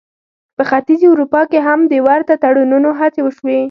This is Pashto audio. په ختیځې اروپا کې هم د ورته تړونونو هڅې وشوې.